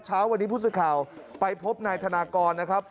เช้าวันนี้ผู้สื่อข่าวไปพบนายธนากรนะครับ